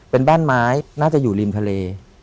เป็นบ้านไม้น่าจะอยู่ริมทะเล